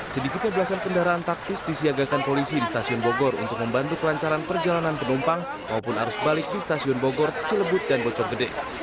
sedikitnya belasan kendaraan taktis disiagakan polisi di stasiun bogor untuk membantu kelancaran perjalanan penumpang maupun arus balik di stasiun bogor cilebut dan bocorgede